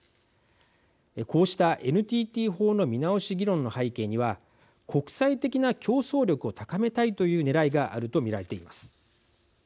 こうしたＮＴＴ法の見直し議論の背景には国際的な競争力を高めたいというねらいがあると見られています。